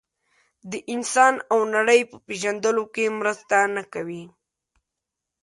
د انسان او نړۍ په پېژندلو کې مرسته نه کوي.